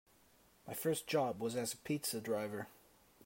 My first job was as a pizza driver.